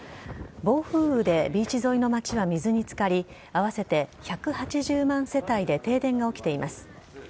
暴風雨でビーチ沿いの町は水に漬かり合わせて１８０万世帯で停電が起きています。